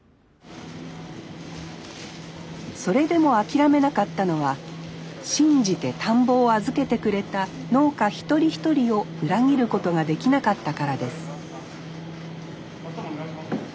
それでも諦めなかったのは信じて田んぼを預けてくれた農家一人一人を裏切ることができなかったからです